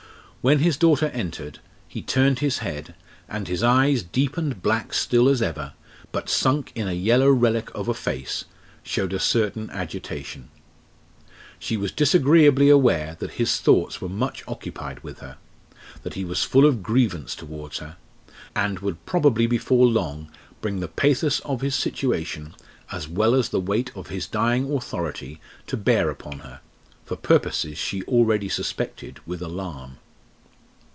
When his daughter entered, he turned his head, and his eyes, deep and black still as ever, but sunk in a yellow relic of a face, showed a certain agitation. She was disagreeably aware that his thoughts were much occupied with her; that he was full of grievance towards her, and would probably before long bring the pathos of his situation as well as the weight of his dying authority to bear upon her, for purposes she already suspected with alarm.